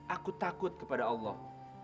aku takut kepada allah